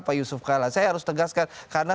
pak yusuf kalla saya harus tegaskan karena